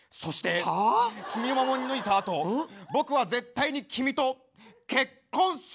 はあ⁉君守り抜いたあと僕は絶対に君と結婚するんだ！